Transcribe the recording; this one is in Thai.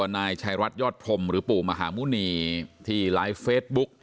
นายชัยรัฐยอดพรมหรือปู่มหาหมุณีที่ไลฟ์เฟซบุ๊ก